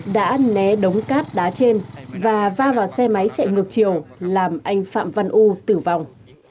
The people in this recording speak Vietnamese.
đã né đống cát đá trên và va vào xe máy chạy ngược chiều làm anh phạm văn u tử vong